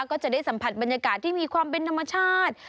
ก็จะได้สัมผัสบรรยากาศที่มีความเป็นธรรมชาติ